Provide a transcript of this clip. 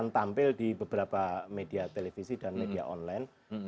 tampil di beberapa media televisi dan media online